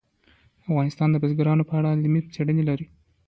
افغانستان د بزګانو په اړه علمي څېړنې لري.